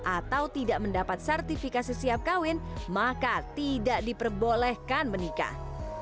atau tidak mendapat sertifikasi siap kawin maka tidak diperbolehkan menikah